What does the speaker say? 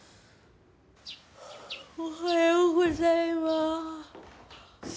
おはようございます。